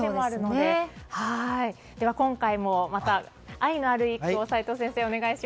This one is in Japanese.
では、今回もまた愛のある一句を齋藤先生